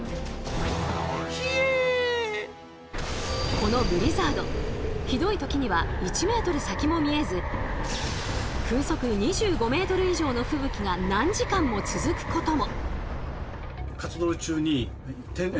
このブリザードひどい時には１ｍ先も見えず風速２５ｍ以上の吹雪が何時間も続くことも。